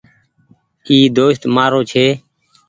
ايٚ دوست مآرو ڇي